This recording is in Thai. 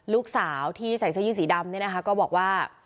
ลูกสาวที่ใส่เสื้อยืดสีดำเนี่ยนะคะก็บอกว่า